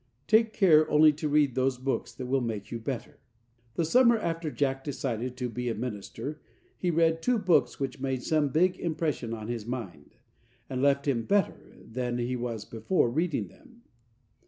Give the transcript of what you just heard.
Take care only to read those books that will make you better. The summer after Jack decided to be a minister, he read two books which made some big impressions on his mind, and left him better than he was before reading them.